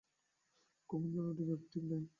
কখন ঝড় উঠিবে ঠিক নাই।